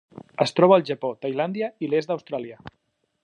Es troba al Japó, Tailàndia i l'est d'Austràlia.